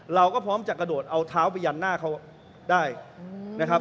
เราก็พร้อมจะกระโดดเอาเท้าไปยันหน้าเขาได้นะครับ